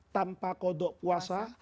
tanpa kodok puasa